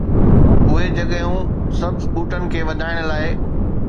اهي جڳهيون سبز ٻوٽن کي وڌائڻ لاء